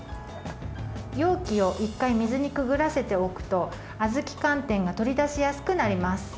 容器を１回水にくぐらせておくとあずき寒天が取り出しやすくなります。